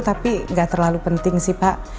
tapi nggak terlalu penting sih pak